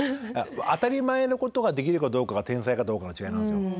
当たり前のことができるかどうかが天才かどうかの違いなんですよ。